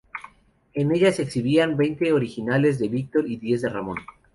En ella se exhibían veinte originales de Víctor y diez de Ramón.